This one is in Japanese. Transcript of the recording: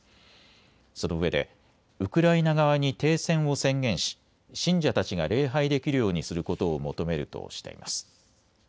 そのうえでウクライナ側に停戦を宣言し信者たちが礼拝できるようにすることを求めるとしています。